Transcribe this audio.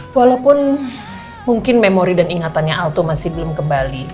walaupun mungkin memori dan ingatannya alto masih belum kembali